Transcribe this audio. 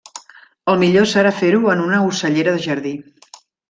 El millor serà fer-ho en una ocellera de jardí.